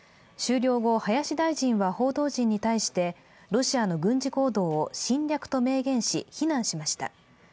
終了後、林大臣は報道陣に対してロシアの軍事行動を侵略と明言し、非難しました。